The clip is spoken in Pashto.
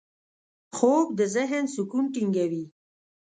خوب د ذهن سکون ټینګوي